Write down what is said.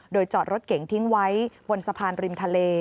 โดยจอดรถเก๋งทิ้งไว้บนสะพานริมทะเล